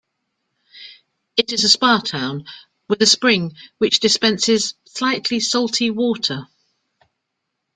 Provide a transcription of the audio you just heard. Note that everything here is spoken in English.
It is a spa town, with a spring which dispenses slightly salty water.